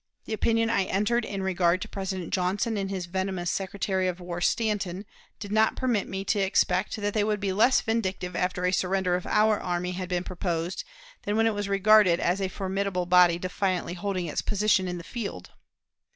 The opinion I entertained in regard to President Johnson and his venomous Secretary of War, Stanton, did not permit me to expect that they would be less vindictive after a surrender of our army had been proposed than when it was regarded as a formidable body defiantly holding its position in the field.